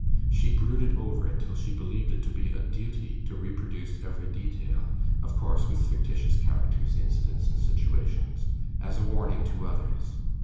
She brooded over it till she believed it to be a duty to reproduce every detail (of course, with fictitious characters, incidents, and situations), as a warning to others.